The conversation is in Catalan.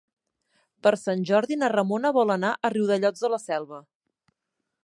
Per Sant Jordi na Ramona vol anar a Riudellots de la Selva.